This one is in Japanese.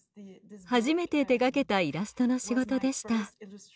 初めて手がけたイラストの仕事でした。